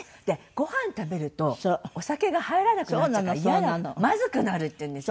「ごはん食べるとお酒が入らなくなっちゃうからイヤだ」「まずくなる」って言うんですよ。